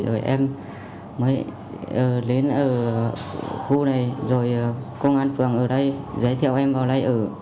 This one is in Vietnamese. rồi em mới lên ở khu này rồi công an phường ở đây giới thiệu em vào đây ở